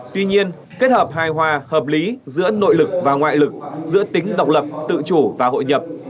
tuy nhiên kết hợp hài hòa hợp lý giữa nội lực và ngoại lực giữa tính độc lập tự chủ và hội nhập